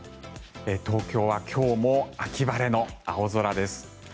東京は今日も秋晴れの青空です。